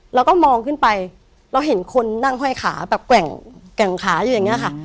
เราก็มองขึ้นไปเราเห็นคนนั่งห้อยขาแบบแกว่งขาอยู่อย่างนี้ค่ะ